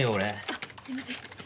あっすいません。